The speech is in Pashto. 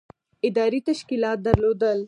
ادارې تشکیلات درلودل.